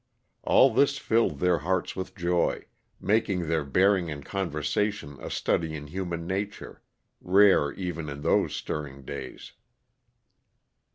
All this filled their hearts with joy, making their bearing and conversation a study in human nature, rare even in those stirring days.